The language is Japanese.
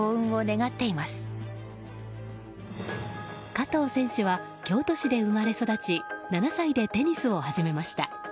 加藤選手は京都市で生まれ育ち７歳でテニスを始めました。